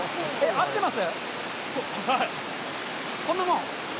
合ってます？